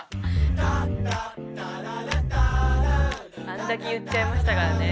あんだけ言っちゃいましたからね。